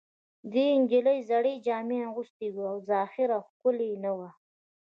دې نجلۍ زړې جامې اغوستې وې او ظاهراً ښکلې نه وه